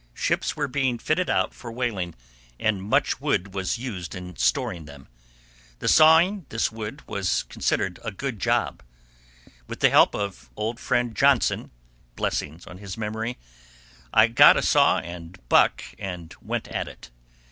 Ships were being fitted out for whaling, and much wood was used in storing them. The sawing this wood was considered a good job. With the help of old Friend Johnson (blessings on his memory) I got a saw and "buck," and went at it.